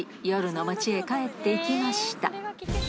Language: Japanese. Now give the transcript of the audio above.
夜の街へ帰っていきました。